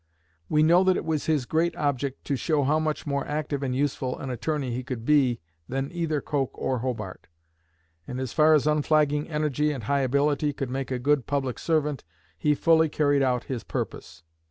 We know that it was his great object to show how much more active and useful an Attorney he could be than either Coke or Hobart; and as far as unflagging energy and high ability could make a good public servant, he fully carried out his purpose.